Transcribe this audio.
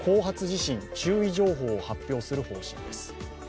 地震注意情報を発表する方針です。